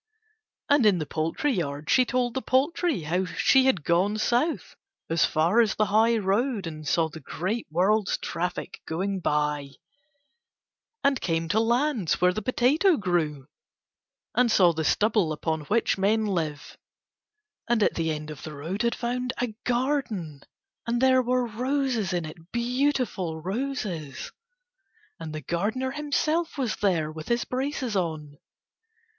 And in the poultry yard she told the poultry how she had gone South as far as the high road, and saw the great world's traffic going by, and came to lands where the potato grew, and saw the stubble upon which men live, and at the end of the road had found a garden, and there were roses in it beautiful roses! and the gardener himself was there with his braces on.